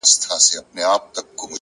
تا بدرنگۍ ته سرټيټی په لېونتوب وکړ؛